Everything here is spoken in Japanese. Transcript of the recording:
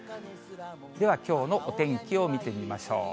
では、きょうのお天気を見てみましょう。